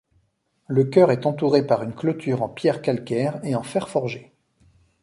Le chœur est entouré par une clôture en pierre calcaire et en fer forgé.